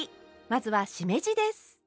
まずはしめじです。